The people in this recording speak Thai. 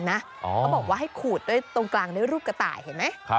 เขาบอกว่าให้ขูดด้วยตรงกลางด้วยรูปกระต่ายเห็นไหม